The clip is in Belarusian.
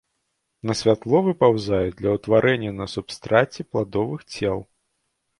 На святло выпаўзаюць для ўтварэння на субстраце пладовых цел.